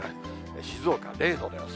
静岡０度の予想。